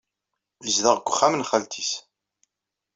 Yezdeɣ deg uxxam n xalti-s.